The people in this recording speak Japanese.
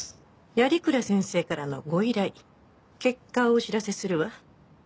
鑓鞍先生からのご依頼結果をお知らせするわ。